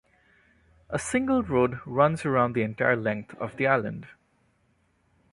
A single road runs around the entire length of the island.